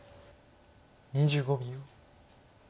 ２５秒。